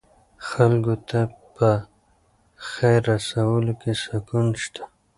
خلکو ته په خیر رسولو کې سکون شته.